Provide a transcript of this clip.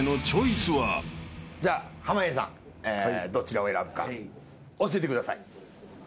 じゃあ濱家さんどちらを選ぶか教えてください。